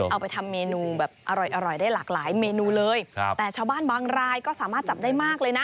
เอาไปทำเมนูแบบอร่อยอร่อยได้หลากหลายเมนูเลยครับแต่ชาวบ้านบางรายก็สามารถจับได้มากเลยนะ